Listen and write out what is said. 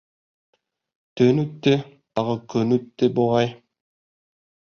Төн үтте, тағы көн үтте, буғай.